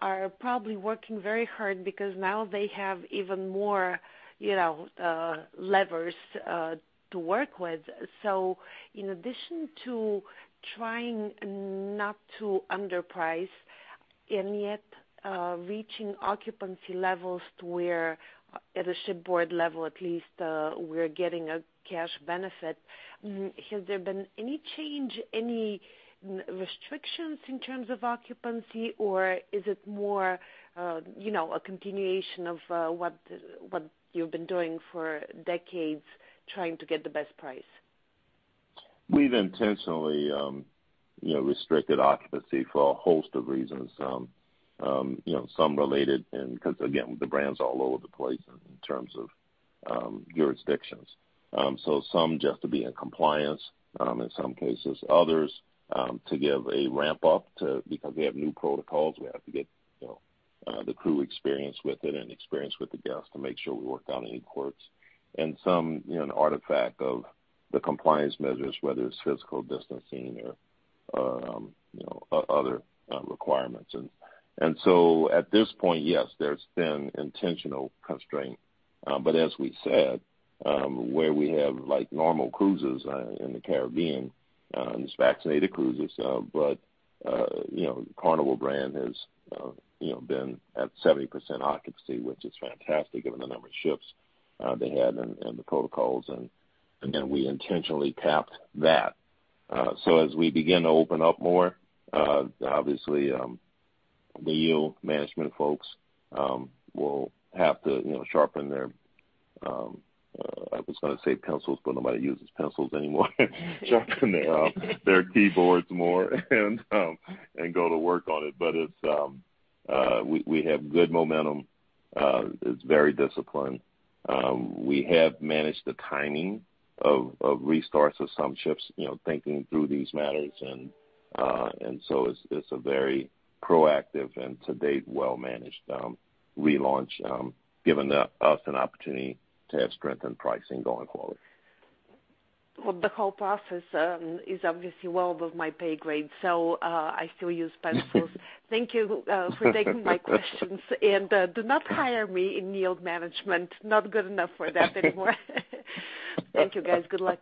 are probably working very hard because now they have even more levers to work with. In addition to trying not to underprice and yet reaching occupancy levels to where, at a shipboard level at least, we're getting a cash benefit, has there been any change, any restrictions in terms of occupancy, or is it more a continuation of what you've been doing for decades, trying to get the best price? We've intentionally restricted occupancy for a host of reasons, some related, and because, again, the brands are all over the place in terms of jurisdictions. Some just to be in compliance, in some cases. Others to give a ramp-up because we have new protocols, we have to get the crew experienced with it and experienced with the guests to make sure we work out any quirks. Some, an artifact of the compliance measures, whether it's physical distancing or other requirements. At this point, yes, there's been intentional constraint. As we said, where we have normal cruises in the Caribbean, it's vaccinated cruises. Carnival brand has been at 70% occupancy, which is fantastic given the number of ships they had and the protocols, and we intentionally capped that. As we begin to open up more, obviously, the yield management folks will have to sharpen their, I was going to say pencils, but nobody uses pencils anymore. Sharpen their keyboards more and go to work on it. We have good momentum. It's very disciplined. We have managed the timing of restarts of some ships, thinking through these matters, it's a very proactive and to-date well-managed relaunch, giving us an opportunity to have strengthened pricing going forward. Well, the whole process is obviously well above my pay grade, so I still use pencils. Thank you for taking my questions. Do not hire me in yield management. Not good enough for that anymore. Thank you, guys. Good luck.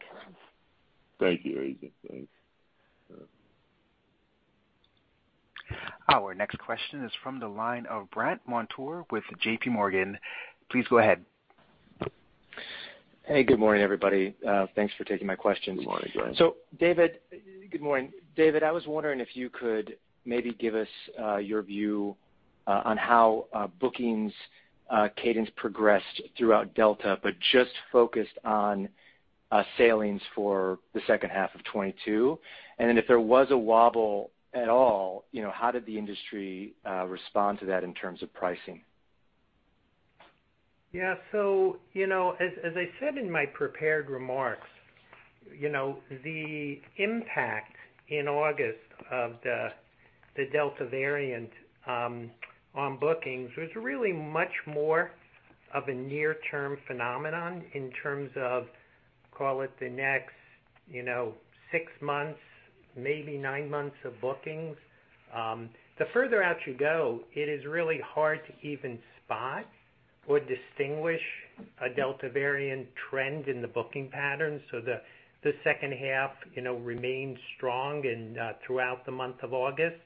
Thank you, Assia. Thanks. Our next question is from the line of Brandt Montour with J.P. Morgan. Please go ahead. Hey, good morning, everybody. Thanks for taking my questions. Good morning, Brandt. David, good morning. David, I was wondering if you could maybe give us your view on how bookings cadence progressed throughout Delta, but just focused on sailings for the H2 of 2022. If there was a wobble at all, how did the industry respond to that in terms of pricing? Yeah. As I said in my prepared remarks, the impact in August of the Delta variant on bookings was really much more of a near-term phenomenon in terms of, call it the next six months, maybe nine months of bookings. The further out you go, it is really hard to even spot or distinguish a Delta variant trend in the booking patterns. The H2 remained strong and throughout the month of August.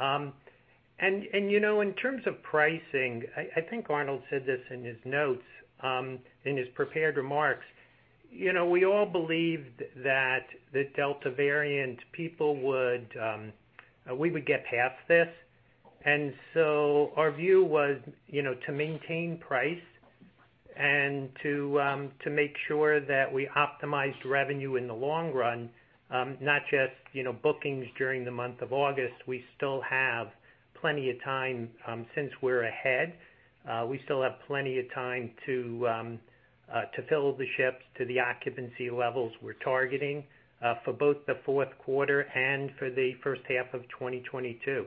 In terms of pricing, I think Arnold said this in his notes, in his prepared remarks. We all believed that the Delta variant, we would get past this. Our view was to maintain price and to make sure that we optimized revenue in the long run, not just bookings during the month of August. We still have plenty of time since we're ahead. We still have plenty of time to fill the ships to the occupancy levels we're targeting for both the Q4 and for the H1 of 2022.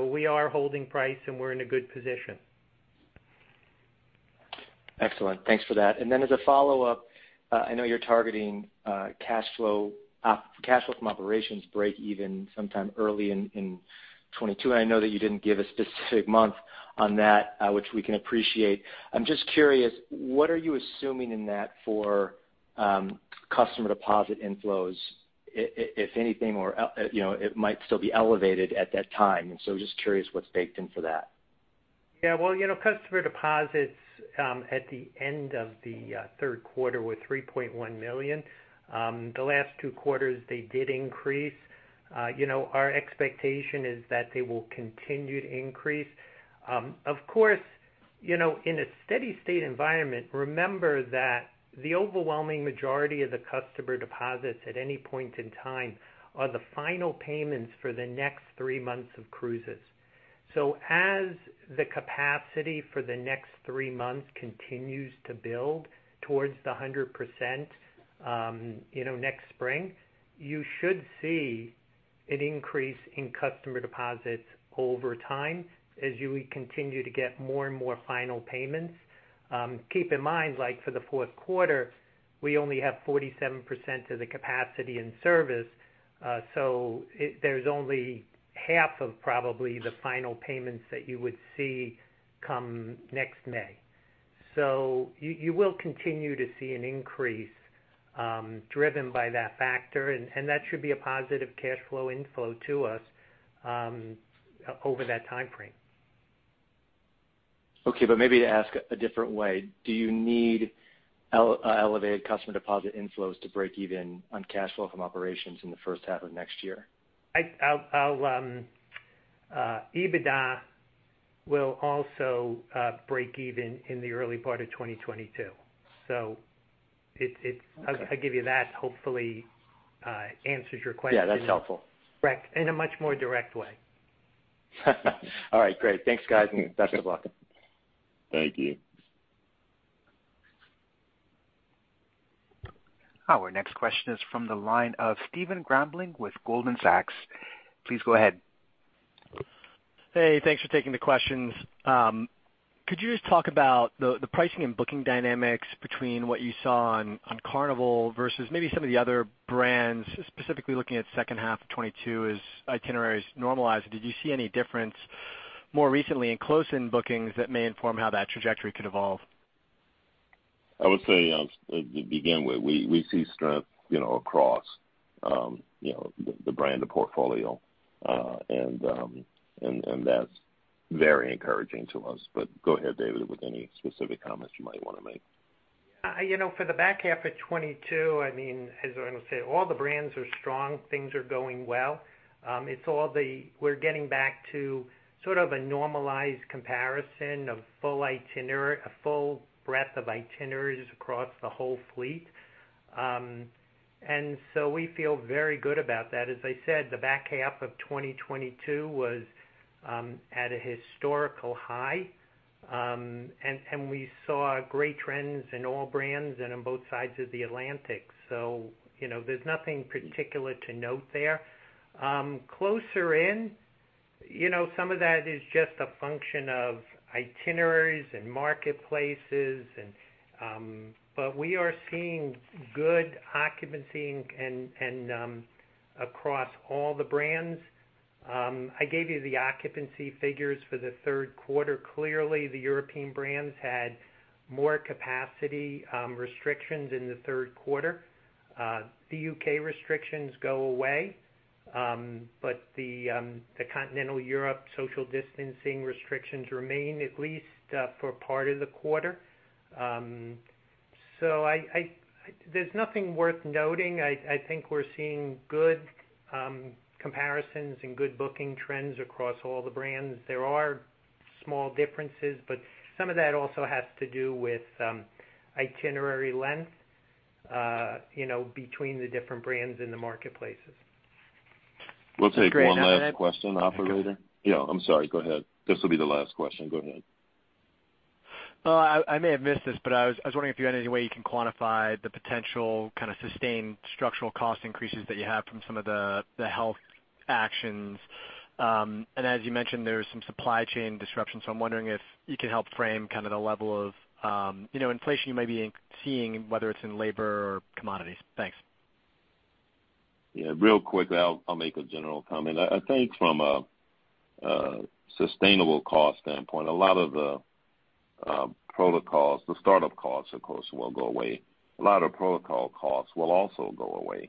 We are holding price and we're in a good position. Excellent. Thanks for that. As a follow-up, I know you're targeting cash flow from operations breakeven sometime early in 2022, and I know that you didn't give a specific month on that, which we can appreciate. I'm just curious, what are you assuming in that for customer deposit inflows, if anything, it might still be elevated at that time? Just curious what's baked in for that? Well, customer deposits at the end of the Q3 were $3.1 million. The last two quarters, they did increase. Our expectation is that they will continue to increase. Of course, in a steady state environment, remember that the overwhelming majority of the customer deposits at any point in time are the final payments for the next three months of cruises. As the capacity for the next three months continues to build towards the 100% next spring, you should see an increase in customer deposits over time as you continue to get more and more final payments. Keep in mind, like for the Q4, we only have 47% of the capacity in service. There's only half of probably the final payments that you would see come next May. You will continue to see an increase driven by that factor, and that should be a positive cash flow inflow to us over that time frame. Okay, maybe to ask a different way, do you need elevated customer deposit inflows to break even on cash flow from operations in the H1 of next year? EBITDA will also break even in the early part of 2022. I give you that, hopefully answers your question. Yeah, that's helpful. correct, in a much more direct way. All right, great. Thanks, guys, and best of luck. Thank you. Our next question is from the line of Stephen Grambling with Goldman Sachs. Please go ahead. Hey, thanks for taking the questions. Could you just talk about the pricing and booking dynamics between what you saw on Carnival versus maybe some of the other brands, specifically looking at H2 of 2022 as itineraries normalize? Did you see any difference more recently in close-in bookings that may inform how that trajectory could evolve? I would say, to begin with, we see strength across the brand, the portfolio, and that's very encouraging to us. Go ahead, David, with any specific comments you might want to make. For the back half of 2022, as Arnold said, all the brands are strong. Things are going well. We're getting back to sort of a normalized comparison of a full breadth of itineraries across the whole fleet. We feel very good about that. As I said, the back half of 2022 was at a historical high. We saw great trends in all brands and on both sides of the Atlantic. There's nothing particular to note there. Closer in, some of that is just a function of itineraries and marketplaces, but we are seeing good occupancy and across all the brands. I gave you the occupancy figures for the Q3. Clearly, the European brands had more capacity restrictions in the Q3. The U.K. restrictions go away, but the Continental Europe social distancing restrictions remain, at least for part of the quarter. There's nothing worth noting. I think we're seeing good comparisons and good booking trends across all the brands. There are small differences, but some of that also has to do with itinerary length between the different brands in the marketplaces. We'll take one last question, operator. Yeah, I'm sorry. Go ahead. This will be the last question. Go ahead. I may have missed this, but I was wondering if you had any way you can quantify the potential kind of sustained structural cost increases that you have from some of the health actions. As you mentioned, there's some supply chain disruption. I'm wondering if you can help frame kind of the level of inflation you may be seeing, whether it's in labor or commodities. Thanks. Yeah, real quickly, I'll make a general comment. I think from a sustainable cost standpoint, a lot of the protocols, the startup costs, of course, will go away. A lot of protocol costs will also go away,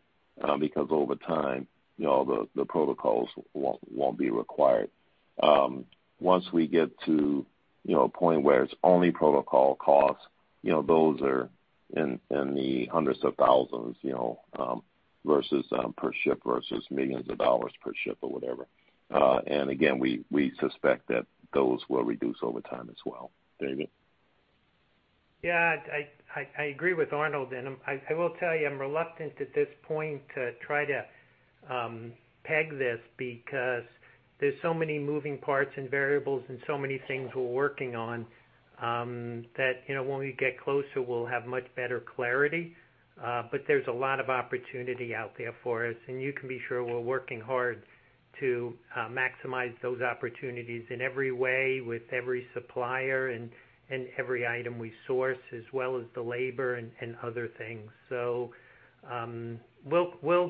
because over time, the protocols won't be required. Once we get to a point where it's only protocol costs, those are in the hundreds of thousands of dollars, versus per ship, versus millions of dollars per ship or whatever. Again, we suspect that those will reduce over time as well. David? Yeah, I agree with Arnold. I will tell you, I'm reluctant at this point to try to peg this because there's so many moving parts and variables and so many things we're working on that when we get closer, we'll have much better clarity. There's a lot of opportunity out there for us. You can be sure we're working hard to maximize those opportunities in every way with every supplier and every item we source, as well as the labor and other things. We'll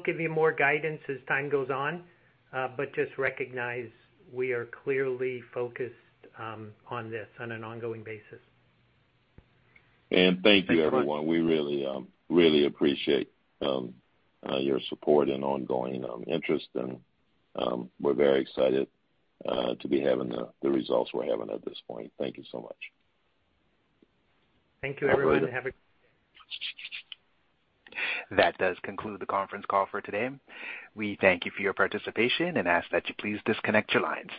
give you more guidance as time goes on. Just recognize we are clearly focused on this on an ongoing basis. Thank you everyone. We really appreciate your support and ongoing interest, and we're very excited to be having the results we're having at this point. Thank you so much. Thank you, everyone. That does conclude the conference call for today. We thank you for your participation and ask that you please disconnect your lines.